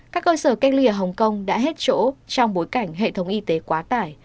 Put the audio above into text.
các cơ sở cách ly ở hồng kông đã hết chỗ trong bối cảnh hệ thống y tế quá tải